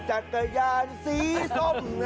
จักรยานสีส้ม